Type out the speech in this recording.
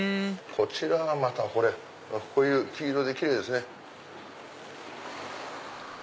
こちらはまたこういう黄色でキレイですね。